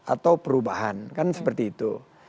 atau perubahan kan seperti itu